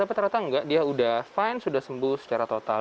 tapi ternyata tidak dia sudah sempat sembuh secara total